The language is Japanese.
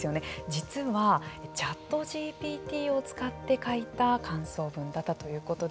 実はＣｈａｔＧＰＴを使って書いた感想文だったということで。